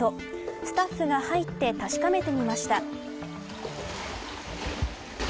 スタッフが入って確かめてみました。